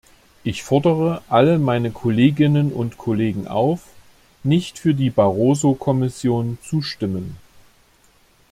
Ich fordere alle meine Kolleginnen und Kollegen auf, nicht für die Barroso-Kommission zu stimmen.